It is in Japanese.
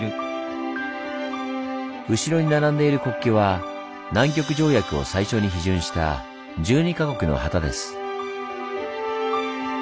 後ろに並んでいる国旗は南極条約を最初に批准した１２か国の旗です。